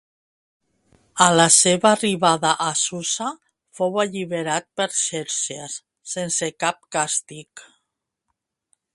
A la seva arribada a Susa fou alliberat per Xerxes sense cap càstig.